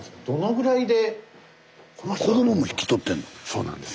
そうなんです。